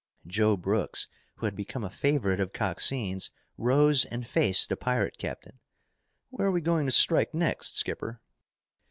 Joe Brooks, who had become a favorite of Coxine's, rose and faced the pirate captain. "Where are we going to strike next, skipper?"